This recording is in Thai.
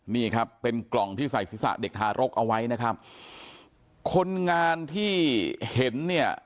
นี่ครับเป็นกล่องที่ใส่ศีรษะเด็กทารกเอาไว้นะครับคนงานที่เห็นเนี่ย